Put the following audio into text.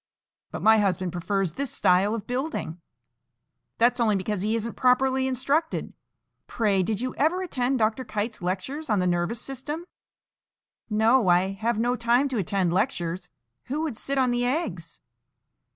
'" "But my husband prefers this style of building." "That's only because he isn't properly instructed. Pray, did you ever attend Dr. Kite's lectures on the nervous system?" "No, I have no time to attend lectures. Who would sit on the eggs?"